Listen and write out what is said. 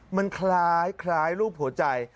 มันคล้ายรูปหัวใจ